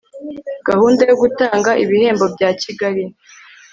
gahunda yo gutanga ibihembo bya kigali